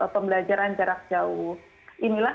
pembelajaran jarak jauh inilah